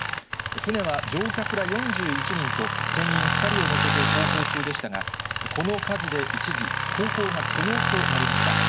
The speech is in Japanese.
船は乗客ら４１人と船員２人を乗せて航行中でしたが、この火事で一時、航行が不能となりました。